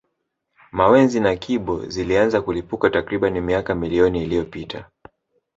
Mawenzi na Kibo zilianza kulipuka takriban miaka milioni iliyopita